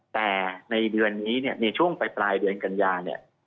แต่ในเดือนนี้เนี่ยในช่วงปลายเดือนกันยาเนี่ย